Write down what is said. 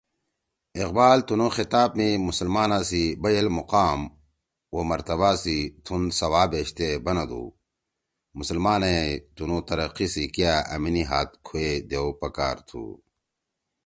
اقبال تنُو خطاب می مسلمانا سی بئیل مقام او مرتبہ سی تُھون سوا بیشتے بنَدُو: ”مسلمانا ئے تنُو ترقی سی کیا أمیِنی ہات کُھوئے دیؤ پکار تُھو